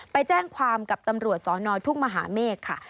ไปแจ้งความกับตำรวจสอนอทุ่งมหาเมฆค่ะ